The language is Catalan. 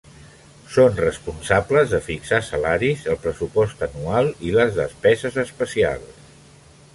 Són responsables de fixar salaris, el pressupost anual i les despeses especials.